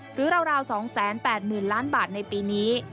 หรือราว๒๘๐หมื่นล้านบาทในปีนี้